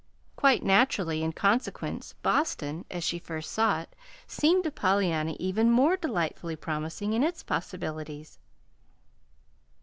Quite naturally, in consequence, Boston, as she first saw it, seemed to Pollyanna even more delightfully promising in its possibilities.